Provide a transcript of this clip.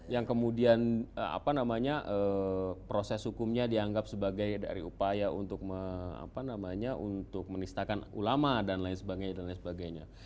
yang kemudian proses hukumnya dianggap sebagai dari upaya untuk menistakan ulama dan lain sebagainya